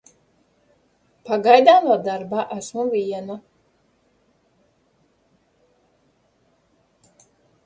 Pagaidām vēl darbā esmu viena.